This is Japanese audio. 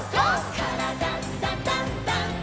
「からだダンダンダン」